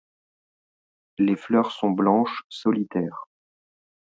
Les fleurs sont blanches, solitaires.